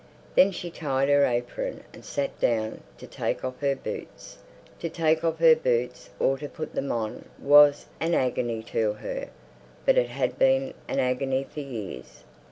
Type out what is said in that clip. Then she tied her apron and sat down to take off her boots. To take off her boots or to put them on was an agony to her, but it had been an agony for years.